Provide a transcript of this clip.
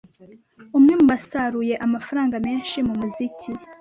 umwe mu basaruye amafaranga menshi mu muziki